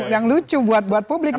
yang lucu buat publik